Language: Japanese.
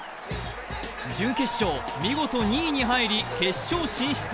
準決勝見事２位に入り、決勝進出。